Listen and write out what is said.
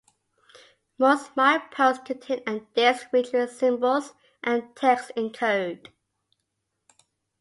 Most mileposts contain a disk featuring symbols and text in code.